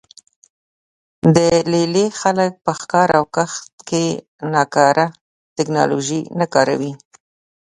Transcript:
د لې لې خلک په ښکار او کښت کې ناکاره ټکنالوژي نه کاروي